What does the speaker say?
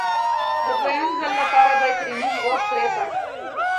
د دویم ځل لپاره به یې ترې نیم غوږ پرې کړ